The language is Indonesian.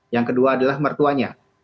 yang kedua adalah mertuanya